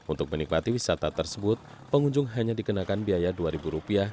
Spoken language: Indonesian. untuk menikmati wisata tersebut pengunjung hanya dikenakan biaya rp dua